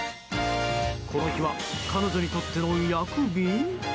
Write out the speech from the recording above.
この日は彼女にとっての厄日？